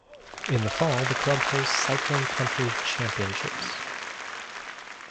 In the fall the club hosts Cyclone Country Championships.